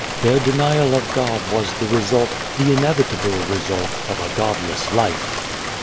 Their denial of God was the result, the inevitable result, of a godless life.